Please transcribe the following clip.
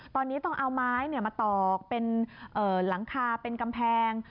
ตอนนี้ต้องเอาไม้มาตอกเป็นหลังคาเป็นกำแพง